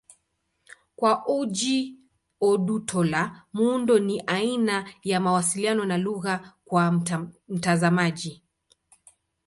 Kwa Ojih Odutola, muundo ni aina ya mawasiliano na lugha kwa mtazamaji.